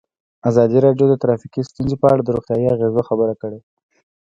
ازادي راډیو د ټرافیکي ستونزې په اړه د روغتیایي اغېزو خبره کړې.